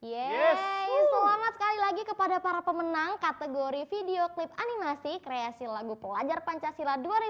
yes selamat sekali lagi kepada para pemenang kategori video klip animasi kreasi lagu pelajar pancasila dua ribu dua puluh